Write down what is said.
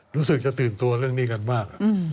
รู้สึกจะตื่นตัวเรื่องนี้กันมาก